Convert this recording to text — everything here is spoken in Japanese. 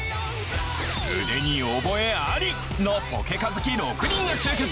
腕に覚えあり！のポケカ好き６人が集結。